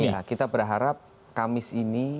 ya kita berharap kamis ini